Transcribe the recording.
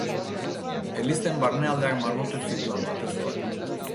Elizen barnealdeak margotu zituen, batez ere.